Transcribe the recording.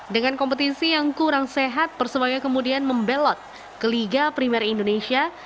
dengan kompetisi yang kurang sehat persebaya kemudian membelot ke liga primer indonesia